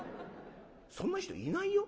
そんな人いないよ。